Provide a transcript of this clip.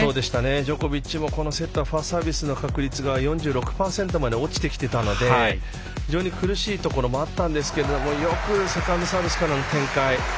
ジョコビッチもこのセットはファーストサービスの確率が４６％まで落ちてきてたので非常に苦しいところもあったんですけれどもよくセカンドサービスからの展開